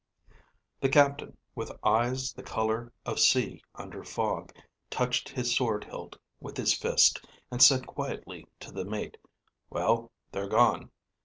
The captain, with eyes the color of sea under fog, touched his sword hilt with his fist and said quietly to the mate, "Well, they're gone.